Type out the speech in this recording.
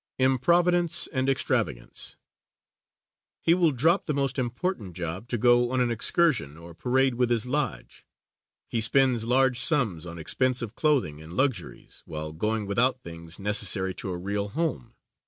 Improvidence and Extravagance. He will drop the most important job to go on an excursion or parade with his lodge. He spends large sums on expensive clothing and luxuries, while going without things necessary to a real home.